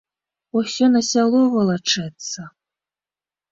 Усё на сяло валачэцца.